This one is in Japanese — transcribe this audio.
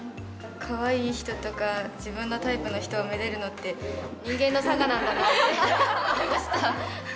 かわいい人とか自分のタイプの人をめでるのって、人間のさがなんだなって思いました。